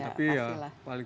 tapi ya paling tidak berguna